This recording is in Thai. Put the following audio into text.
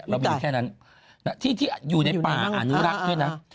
เรามีแค่นั้นที่ที่อยู่ในป่าอนุรักษ์ด้วยนะ